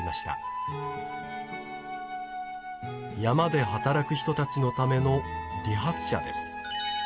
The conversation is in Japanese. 山で働く人たちのための理髪車です。